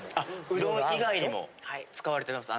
うどん以外にも使われてるんです。